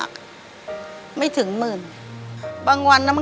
ขอบคุณครับ